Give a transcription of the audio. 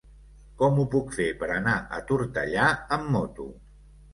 Com ho puc fer per anar a Tortellà amb moto?